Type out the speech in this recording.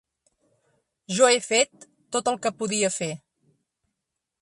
Jo he fet tot el que podia fer.